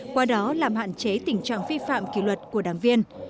qua đó làm hạn chế tình trạng vi phạm kỷ luật của đảng viên